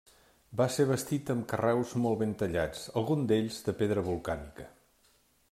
Va ser bastit amb carreus molt ben tallats, alguns d'ells de pedra volcànica.